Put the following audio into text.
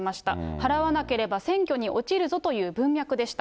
払わなければ選挙に落ちるぞという文脈でした。